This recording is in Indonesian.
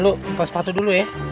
lo coba sepatu dulu ya